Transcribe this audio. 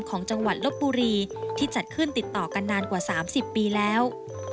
ของจังหวัดลบบุรีที่จัดขึ้นติดต่อกันนานกว่า๓๐ปีแล้ว